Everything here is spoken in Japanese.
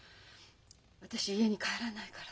私家に帰らないから。